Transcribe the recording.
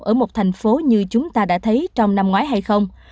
ở một thành phố như chúng ta đã thấy trong năm ngoái hay không